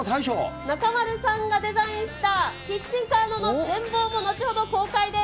中丸さんがデザインしたキッチンカーの全貌も後ほど公開です。